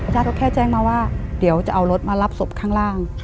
ญาติก็แค่แจ้งมาว่าเดี๋ยวจะเอารถมารับศพข้างล่าง